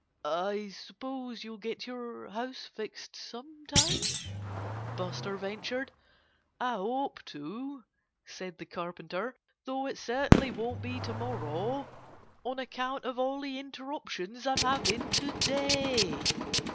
"I suppose you'll get your house finished sometime," Buster ventured. "I hope to," said the Carpenter, "though it certainly won't be to morrow, on account of all the interruptions I'm having to day."